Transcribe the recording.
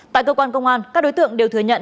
tại cơ quan công an các đối tượng đều thừa nhận